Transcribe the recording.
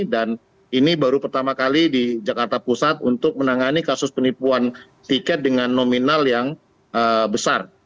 dan ini baru pertama kali di jakarta pusat untuk menangani kasus penipuan tiket dengan nominal yang besar